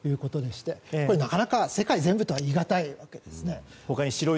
これはなかなか、世界全部とは言い難いわけですね。